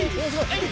はい！